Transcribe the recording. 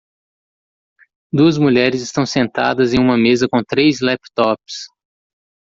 Duas mulheres estão sentadas em uma mesa com três laptops.